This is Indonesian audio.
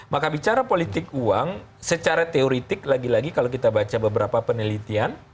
maka bicara politik uang secara teoretik lagi lagi kalau kita baca beberapa penelitian